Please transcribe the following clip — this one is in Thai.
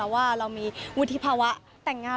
ว่าเรามีวุฒิภาวะแต่งงาน